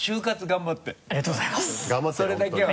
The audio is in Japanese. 頑張ってよ